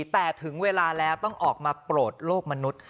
แต่ถึงเวลาแล้วต้องออกมาโปรดโลกมนุษย์